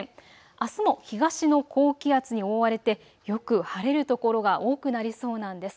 あすも東の高気圧に覆われてよく晴れる所が多くなりそうなんです。